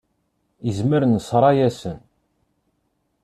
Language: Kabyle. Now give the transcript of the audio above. Izmer nesra-yasen.